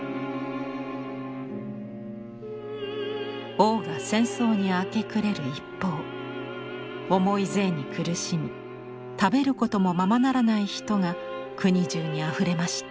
王が戦争に明け暮れる一方重い税に苦しみ食べることもままならない人が国中にあふれました。